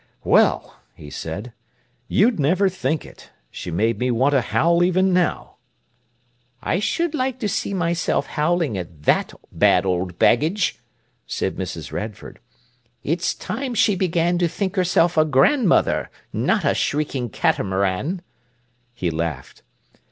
"Well," he said, "you'd never think it! She made me want to howl even now." "I should like to see myself howling at that bad old baggage!" said Mrs. Radford. "It's time she began to think herself a grandmother, not a shrieking catamaran—" He laughed.